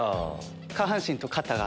下半身と肩が。